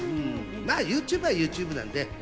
ＹｏｕＴｕｂｅはＹｏｕＴｕｂｅなんで。